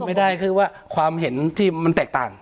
ไม่ได้คือว่าความเห็นที่มันแตกต่าง